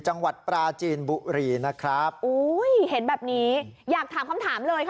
จังหวัดปราจีนบุรีนะครับอุ้ยเห็นแบบนี้อยากถามคำถามเลยค่ะ